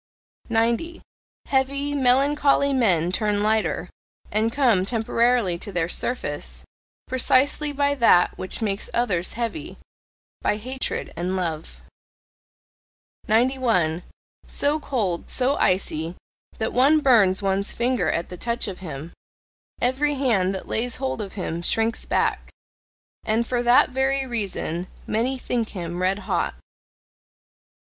90. Heavy, melancholy men turn lighter, and come temporarily to their surface, precisely by that which makes others heavy by hatred and love. 91. So cold, so icy, that one burns one's finger at the touch of him! Every hand that lays hold of him shrinks back! And for that very reason many think him red hot.